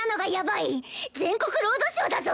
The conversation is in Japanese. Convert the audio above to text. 全国ロードショーだぞ！